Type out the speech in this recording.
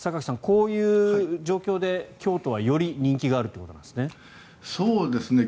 こういう状況で京都は、より人気があるということですね。